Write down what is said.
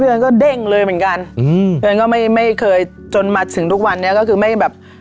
เงินก็เด้งเลยเหมือนกันอืมเดือนก็ไม่ไม่เคยจนมาถึงทุกวันนี้ก็คือไม่แบบ